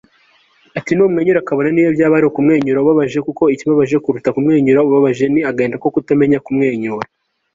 ati: numwenyure, kabone niyo byaba ari kumwenyura ubabaje, kuko ikibabaje kuruta kumwenyura ubabaje ni agahinda ko kutamenya kumwenyura